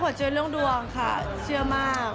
เจอเรื่องดวงค่ะเชื่อมาก